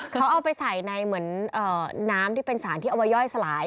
เค้าเอาไปใส่ในน้ำสารที่มาเอาไปย่อยสลาย